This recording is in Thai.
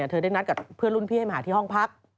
เธอได้นัดกับเพื่อนรุ่นพี่ให้มาหาที่ห้องพัก